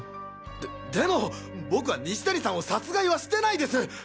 ででも僕は西谷さんを殺害はしてないです！